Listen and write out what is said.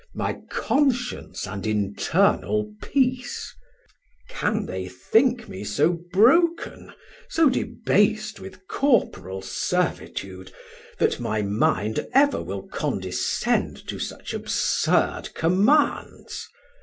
my conscience and internal peace. Can they think me so broken, so debas'd With corporal servitude, that my mind ever Will condescend to such absurd commands?